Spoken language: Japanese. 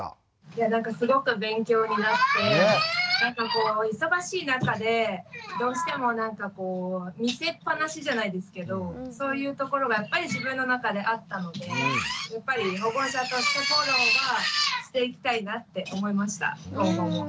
いやなんかすごく勉強になって忙しい中でどうしてもなんかこう見せっぱなしじゃないですけどそういうところがやっぱり自分の中であったのでやっぱり保護者としてフォローはしていきたいなって思いました今後も。